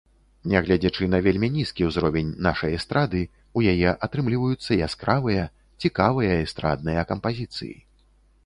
Нягледзячы на вельмі нізкі ўзровень нашай эстрады, у яе атрымліваюцца яскравыя, цікавыя эстрадныя кампазіцыі.